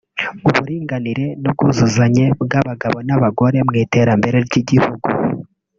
uburinganire n’ubwuzuzanye bw’abagabo n’abagore mu iterambere ry’igihugu